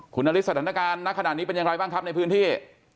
คนนาฬิศสถานการณ์ขณะนี้เป็นยังไงบ้างครับในพื้นที่